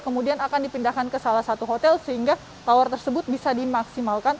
kemudian akan dipindahkan ke salah satu hotel sehingga tower tersebut bisa dimaksimalkan